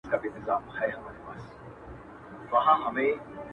د سړیو سره خواته مقبره کی -